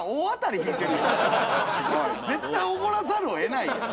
絶対おごらざるを得ない。